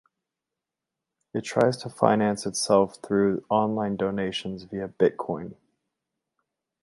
It tries to finance itself through online donations via Bitcoin.